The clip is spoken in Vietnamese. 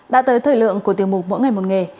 đã tới thời lượng của tiêu mục mỗi ngày một nghề